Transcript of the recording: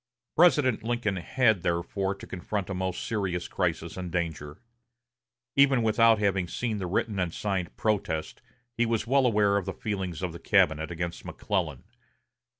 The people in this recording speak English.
President Lincoln had, therefore, to confront a most serious crisis and danger. Even without having seen the written and signed protest, he was well aware of the feelings of the cabinet against McClellan.